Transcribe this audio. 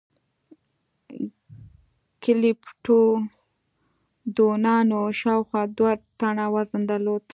ګلیپتودونانو شاوخوا دوه ټنه وزن درلود.